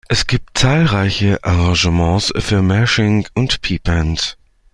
Es gibt zahlreiche Arrangements für Marching und Pep Bands.